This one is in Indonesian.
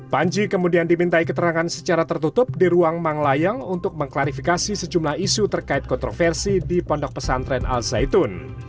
panji kemudian dimintai keterangan secara tertutup di ruang manglayang untuk mengklarifikasi sejumlah isu terkait kontroversi di pondok pesantren al zaitun